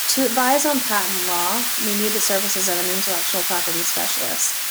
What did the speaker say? To advise on patent law, we need the services of an intellectual property specialist